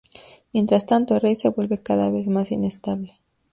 Mientras tanto, el rey se vuelve cada vez más inestable.